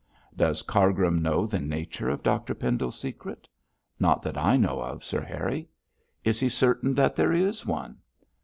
'Does Cargrim know the nature of Dr Pendle's secret?' 'Not that I know of, Sir Harry.' 'Is he certain that there is one?'